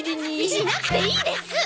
しなくていいです！